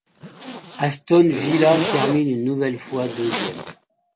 Aston Villa termine une nouvelle fois deuxième.